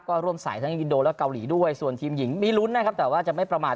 ก็ร่วมสายทั้งอินโดและเกาหลีด้วยส่วนทีมหญิงมีลุ้นนะครับแต่ว่าจะไม่ประมาท